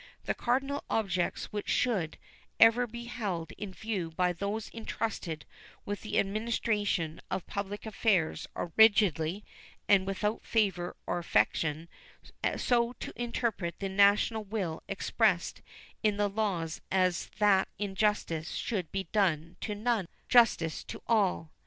The cardinal objects which should ever be held in view by those intrusted with the administration of public affairs are rigidly, and without favor or affection, so to interpret the national will expressed in the laws as that injustice should be done to none, justice to all.